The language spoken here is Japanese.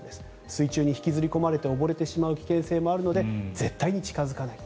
水中に引きずり込まれて溺れてしまう危険性もあるので絶対に近付かない。